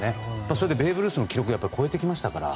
それでベーブ・ルースの記録を超えてきましたから。